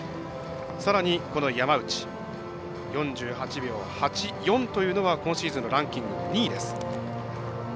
さらに、山内、４８秒８４というのが今シーズンのランキング、２位です。